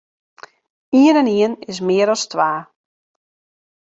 Ien en ien is mear as twa.